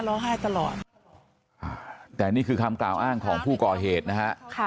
ให้ตลอดแต่นี่คือคำกล่าวอ้างของผู้ก่อเหตุนะฮะ